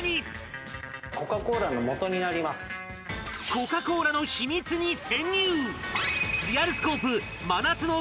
コカ・コーラの秘密に潜入。